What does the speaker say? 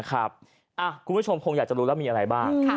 คุณผู้ชมคงอยากจะรู้แล้วมีอะไรบ้าง